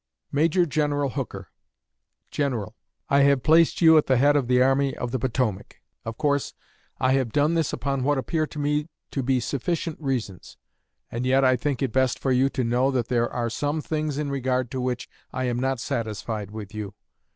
MAJOR GENERAL HOOKER. GENERAL: I have placed you at the head of the Army of the Potomac. Of course, I have done this upon what appear to me to be sufficient reasons; and yet I think it best for you to know that there are some things in regard to which I am not satisfied with you.